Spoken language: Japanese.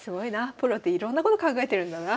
プロっていろんなこと考えてるんだな。